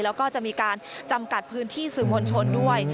แล้วก็จะมีการจำกัดพื้นที่สื่อมวลชนด้วย